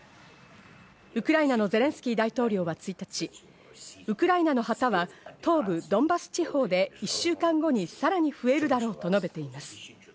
ウクライナのゼレンスキー大統領は１日、ウクライナの旗は東部ドンバス地方で１週間後にさらに増えるだろうと述べています。